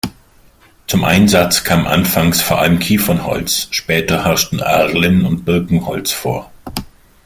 Zum Einsatz kam anfangs vor allem Kiefernholz, später herrschten Erlen- und Birkenholz vor.